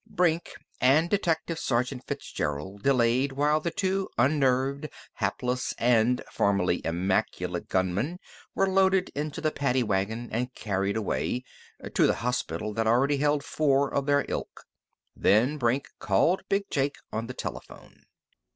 Brink and Detective Sergeant Fitzgerald delayed while the two unnerved, helpless, and formerly immaculate gunmen were loaded into the paddy wagon and carried away to the hospital that already held four of their ilk. Then Brink called Big Jake on the telephone.